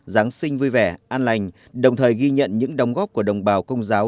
giáng sinh vui vẻ an lành đồng thời ghi nhận những đóng góp của đồng bào công giáo